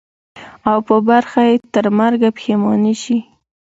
او په برخه یې ترمرګه پښېماني سي